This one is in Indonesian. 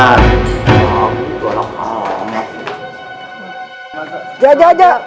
aku itu anak hamat